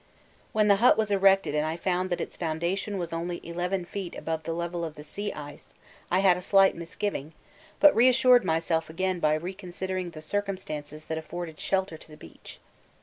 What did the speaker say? When the hut was erected and I found that its foundation was only 11 feet above the level of the sea ice, I had a slight misgiving, but reassured myself again by reconsidering the circumstances that afforded shelter to the beach.